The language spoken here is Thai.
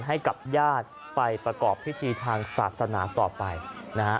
ให้กับญาติไปประกอบพิธีทางศาสนาต่อไปนะฮะ